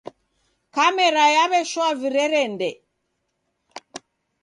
Kamera yaw'eshoa virerende.